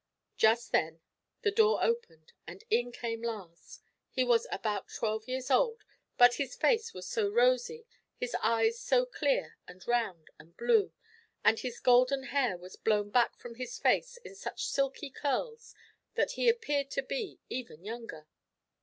Just then the door opened, and in came Lars. He was about twelve years old; but his face was so rosy, his eyes so clear and round and blue, and his golden hair was blown back from his face in such silky curls, that he appeared to be even younger.